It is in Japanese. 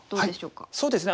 そうですね